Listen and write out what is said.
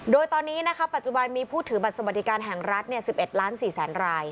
โดยตอนนี้ปัจจุบันมีผู้ถือบัตรสวัสดิการแห่งรัฐ๑๑ล้าน๔แสนราย